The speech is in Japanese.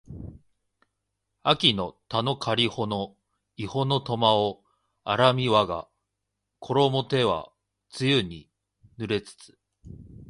秋（あき）の田のかりほの庵（いほ）の苫（とま）を荒みわがころも手は露に濡れつつ